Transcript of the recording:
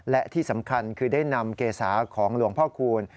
และที่สำคัญคือได้นำเกษาของหลวงพ่อคูณ